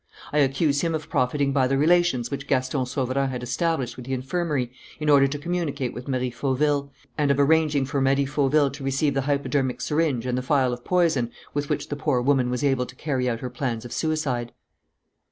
I accuse him of profiting by the relations which Gaston Sauverand had established with the infirmary in order to communicate with Marie Fauville, and of arranging for Marie Fauville to receive the hypodermic syringe and the phial of poison with which the poor woman was able to carry out her plans of suicide."